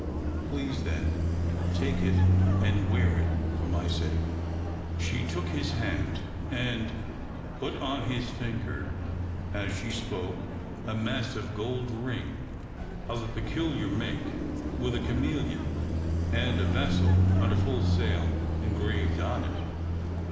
Please, then, take it and wear it for my sake." She took his hand, and put on his finger as she spoke a massive gold ring of a peculiar make, with a chameleon and a vessel under full sail engraved on it.